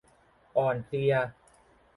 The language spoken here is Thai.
อ่อนเพลีย